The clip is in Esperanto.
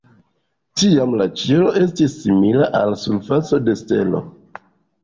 Tiam la ĉielo estis simila al surfaco de stelo.